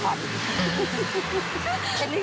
เป็นยังไงคะ